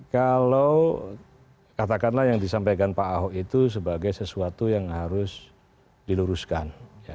kalau katakanlah yang disampaikan pak ahok itu sebagai sesuatu yang harus diluruskan